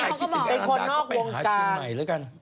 คิดถึงอรันดาก็ไปหาเชียงใหม่แล้วกัน